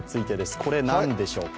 これ、何でしょうか？